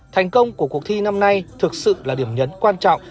thành công của cuộc thi năm nay thực sự là điểm nhấn quan trọng